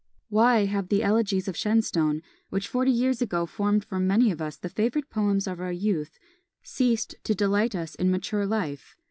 Why have the "Elegies" of Shenstone, which forty years ago formed for many of us the favourite poems of our youth, ceased to delight us in mature life?